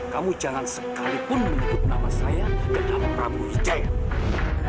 kamu jangan sekalipun menutup nama saya dan nama prabu widaya